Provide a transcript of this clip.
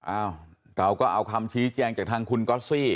อ้าวเราก็เอาคำชี้แจงจากทางคุณก๊อตซี่